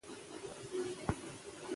پر هغه څه خوشحاله اوسه چې لرې یې.